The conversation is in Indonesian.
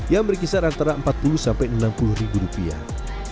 yang berkisar antara empat puluh sampai enam puluh ribu rupiah